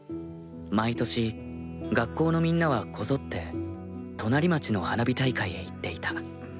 毎年、学校のみんなはこぞって隣町の花火大会へ行っていた。